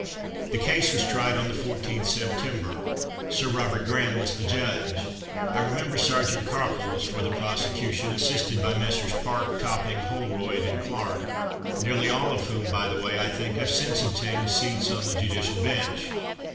The case was tried on the 14th September. Sir Robert Graham was the judge. I remember Serjeant Cockle was for the prosecution, assisted by Messrs. Park, Topping, Holroyd, and Clark, nearly all of whom, by the way, I think, have since obtained seats on the judicial bench.